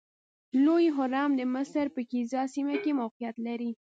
لوی هرم د مصر په ګیزا سیمه کې موقعیت لري.